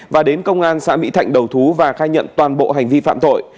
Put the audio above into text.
và đến công an xã mỹ thạnh đầu thú và khai nhận toàn bộ hành vi phạm tội